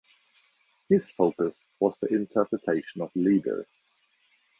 His focus was the interpretation of Lieder.